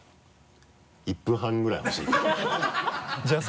１分半ぐらいほしいよね。